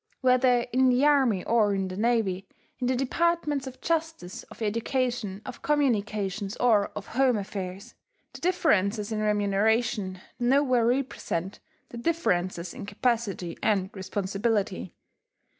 Whether in the army or in the navy, in the departments of justice, of education, of communications, or of home affairs, the differences in remuneration nowhere represent the differences in capacity and responsibility.